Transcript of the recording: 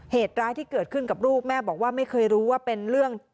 เหตุร้ายที่เกิดขึ้นกับลูกแม่บอกว่าไม่เคยรู้ว่าเป็นเรื่อง